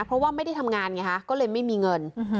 เพราะว่าไม่ได้ทำงานไงฮะก็เลยไม่มีเงิน